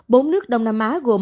bốn nước đông nam á gồm